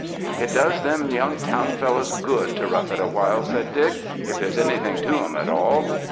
*'It does them young town fellows good to rough it awhile," said Dick, ''if there's anything to 'em at all.